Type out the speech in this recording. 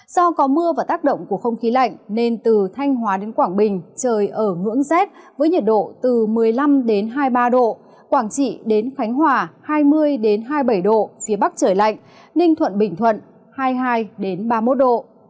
do có mưa và tác động của không khí lạnh nên từ thanh hóa đến quảng bình trời ở ngưỡng rét với nhiệt độ từ một mươi năm hai mươi ba độ quảng trị đến khánh hòa hai mươi hai mươi bảy độ phía bắc trời lạnh ninh thuận bình thuận hai mươi hai ba mươi một độ